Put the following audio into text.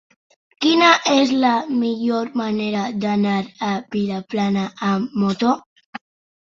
Quina és la millor manera d'anar a Vilaplana amb moto?